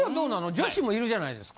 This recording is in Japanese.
女子もいるじゃないですか。